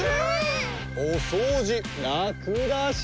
おそうじラクだし。